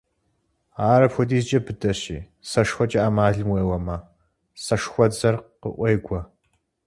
Ар апхуэдизкӀэ быдэщи, сэшхуэкӀэ эмалым уеуэмэ, сэшхуэдзэр къыӀуегуэ.